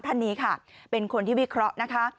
ท่านนี้ค่ะเป็นคนที่วิเคราะห์นะคะ